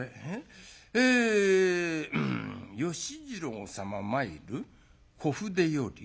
『芳次郎さま参る小筆より』。